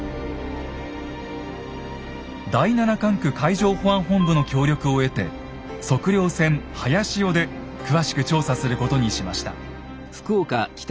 第七管区海上保安本部の協力を得て測量船「はやしお」で詳しく調査することにしました。